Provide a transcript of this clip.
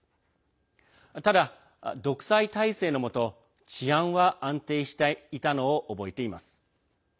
ただ、独裁体制のもと治安は安定していたのを覚えています。